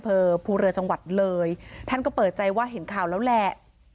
ภูเรือจังหวัดเลยท่านก็เปิดใจว่าเห็นข่าวแล้วแหละ